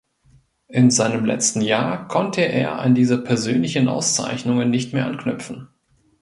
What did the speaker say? In seinem letzten Jahr konnte er an diese persönlichen Auszeichnungen nicht mehr anknüpfen.